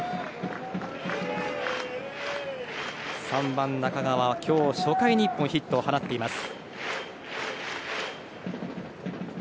３番、中川は今日初回に１本ヒットを放っています。